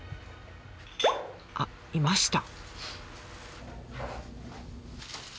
あっいました！